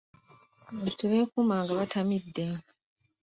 Abantu tebeekuuma nga batamidde.